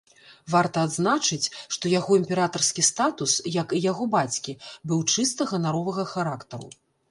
Варта адзначыць, што яго імператарскі статус, як і яго бацькі, быў чыста ганаровага характару.